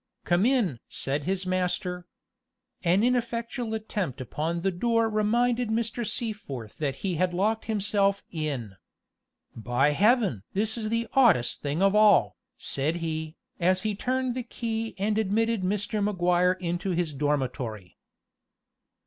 "Come in!" said his master. An ineffectual attempt upon the door reminded Mr. Seaforth that he had locked himself in. "By Heaven! this is the oddest thing of all," said he, as he turned the key and admitted Mr. Maguire into his dormitory.